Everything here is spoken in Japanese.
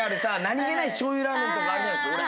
何気ないしょうゆラーメンとかあるじゃないですか。